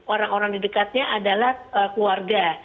orang orang di dekatnya adalah keluarga